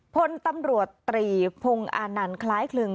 พลตำรวจตรีพงอานันต์คล้ายคลึง